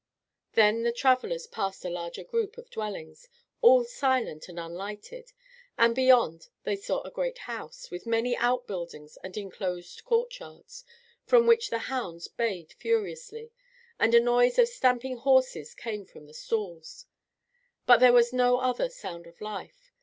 Then the travellers passed a larger group of dwellings, all silent and unlighted; and beyond, they saw a great house, with many outbuildings and inclosed courtyards, from which the hounds bayed furiously, and a noise of stamping horses came from the stalls. But there was no other sound of life.